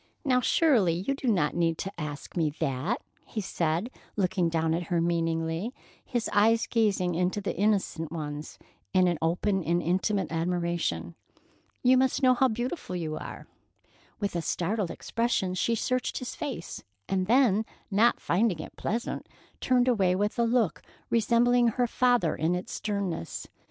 "Now, surely, you do not need to ask me that," he said, looking down at her meaningly, his eyes gazing into the innocent ones in open and intimate admiration. "You must know how beautiful you are!" With a startled expression, she searched his face, and then, not finding it pleasant, turned away with a look resembling her father in its sternness.